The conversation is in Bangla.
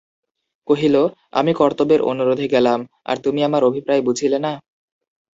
কহিল, আমি কর্তব্যের অনুরোধে গেলাম, আর তুমি আমার অভিপ্রায় বুঝিলে না?